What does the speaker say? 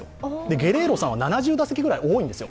ゲレーロさんは７０打席ぐらい多いんですよ。